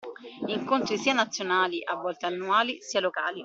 Incontri sia nazionali (a volte annuali) sia locali.